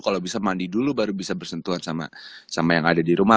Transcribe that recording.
kalau bisa mandi dulu baru bisa bersentuhan sama yang ada di rumah